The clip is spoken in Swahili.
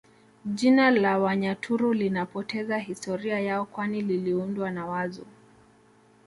Jina la Wanyaturu linapoteza historia yao kwani liliundwa na Wazu